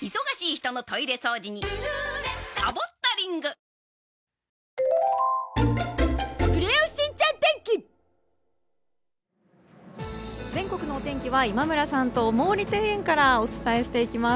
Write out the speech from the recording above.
脂肪に選べる「コッコアポ」全国のお天気は今村さんと毛利庭園からお伝えしていきます。